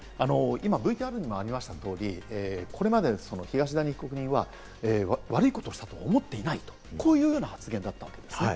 ＶＴＲにもありました通り、これまで東谷被告には、悪いことをしたと思ってないという発言だったんですね。